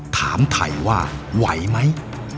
ถามไทยว่าไหวไหม